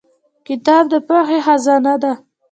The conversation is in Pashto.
کتاب د پوهې خزانه ده